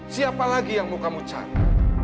siapa lagi yang mau kamu cari